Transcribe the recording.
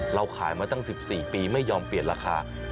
เราขายมาตั้ง๑๔ปีไม่ยอมเปลี่ยนราคา